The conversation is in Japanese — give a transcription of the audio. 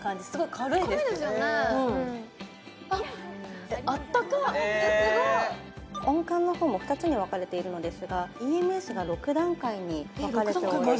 軽いですよねあっあったかすごい！温感の方も２つに分かれているのですがＥＭＳが６段階に分かれております